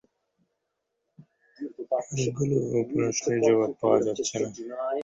অনেকগুলি প্রশ্নের জবাব পাওয়া যাচ্ছে না।